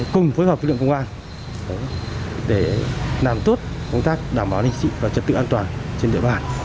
cùng phối hợp với lượng công an để làm tốt công tác đảm bảo ninh và trật tự an toàn trên địa bàn